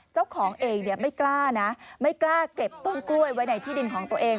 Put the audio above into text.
เจ้าของเองไม่กล้านะไม่กล้าเก็บต้นกล้วยไว้ในที่ดินของตัวเอง